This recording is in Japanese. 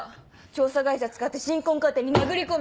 調査会社使って新婚家庭に殴り込め！